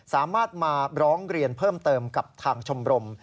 สามารถมาร้องเรียนเพิ่มเติมกับทางชมรม